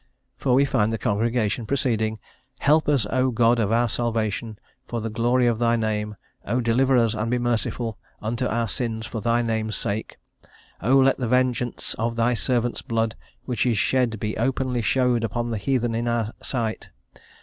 for we find the congregation proceeding: "Help us, O God of our salvation, for the glory of Thy Name; O deliver us and be merciful unto our sins for Thy Name's sake.... O let the vengeance of Thy servant's blood which is shed be openly shewed upon the heathen in our sight.